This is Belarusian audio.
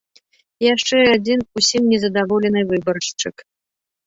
Яшчэ адзін ўсім незадаволены выбаршчык.